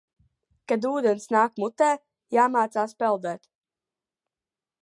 Kad ūdens nāk mutē, jāmācās peldēt.